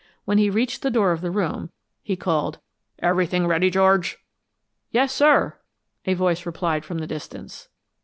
When he reached the door of the room, he called, "Everything ready, George?" "Yes, sir," a voice replied from the distance.